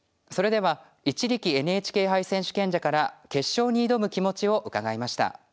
それでは一力ＮＨＫ杯選手権者から決勝に挑む気持ちを伺いました。